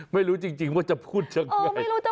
ไม่รู้จริงว่าจะพูดยังไง